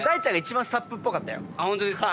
ホントですか。